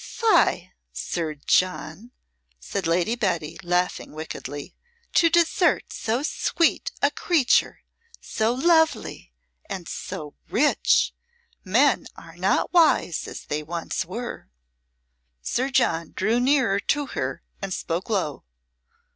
"Fie, Sir John," said Lady Betty, laughing wickedly, "to desert so sweet a creature. So lovely and so rich! Men are not wise as they once were." Sir John drew nearer to her and spoke low.